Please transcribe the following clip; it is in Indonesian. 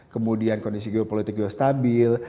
kemudian kondisi geopolitik juga stabil